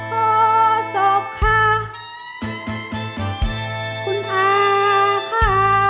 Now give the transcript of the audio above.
โทษค่ะคุณอาค่ะ